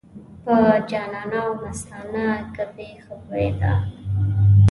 په جانانه او مستانه ګپې ښه پوهېده.